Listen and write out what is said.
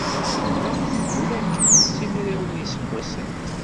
Tella tla kan simraw n yiseggasen.